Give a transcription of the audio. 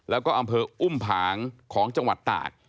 แล้วก็อำเภออุ้มผางของจังหวัดตาก